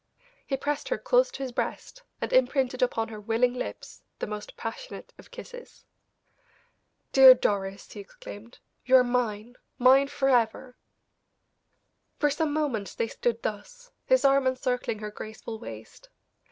He pressed her close to his breast, and imprinted upon her willing lips the most passionate of kisses. "Dear Doris," he exclaimed, "you are mine mine forever!" For some moments they stood thus, his arm encircling her graceful waist.